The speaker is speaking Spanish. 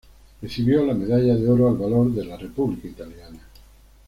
Recibió la medalla de oro al valor de la República italiana.